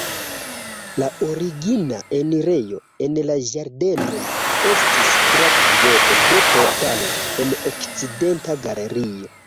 La origina enirejo en la ĝardenon estis tra triopo de portaloj en okcidenta galerio.